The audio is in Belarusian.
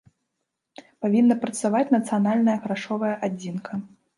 Павінна працаваць нацыянальная грашовая адзінка.